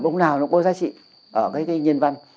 bỗng nào nó cũng có giá trị ở cái cái nhân văn